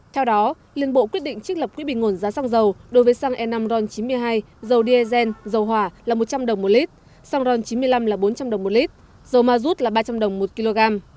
theo đó liên bộ quyết định trích lập quỹ bình nguồn giá xăng dầu đối với xăng e năm ron chín mươi hai dầu diesel dầu hỏa là một trăm linh đồng một lít xăng ron chín mươi năm là bốn trăm linh đồng một lít dầu ma rút là ba trăm linh đồng một kg